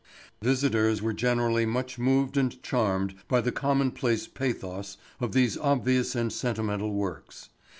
Visitors were generally much moved and charmed by the commonplace pathos of these obvious and sentimental works.